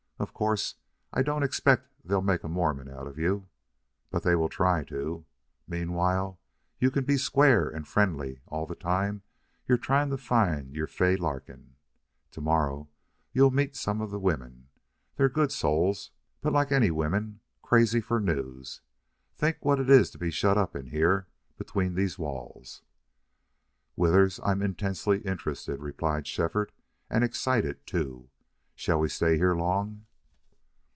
Of course I don't expect they'll make a Mormon of you. But they'll try to. Meanwhile you can be square and friendly all the time you're trying to find your Fay Larkin. To morrow you'll meet some of the women. They're good souls, but, like any women, crazy for news. Think what it is to be shut up in here between these walls!" "Withers, I'm intensely interested," replied Shefford, "and excited, too. Shall we stay here long?"